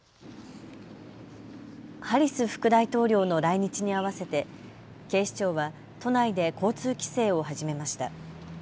ハリス副大統領の来日に合わせて警視庁は都内で交通規制を始めました。